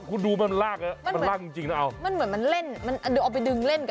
คุณดูมันลากอ่ะมันลากจริงจริงนะเอามันเหมือนมันเล่นมันดูเอาไปดึงเล่นกัน